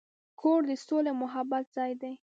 کور د سولې او محبت ځای دی.